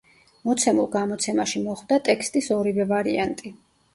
მოცემულ გამოცემაში მოხვდა ტექსტის ორივე ვარიანტი.